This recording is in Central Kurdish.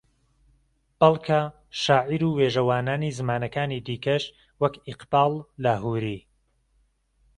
بەڵکە شاعیر و وێژەوانانی زمانەکانی دیکەش وەک ئیقباڵ لاھووری